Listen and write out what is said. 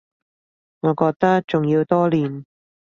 我覺得仲要多練